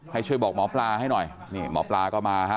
ให้ช่วยบอกหมอปลาให้หน่อยนี่หมอปลาก็มาฮะ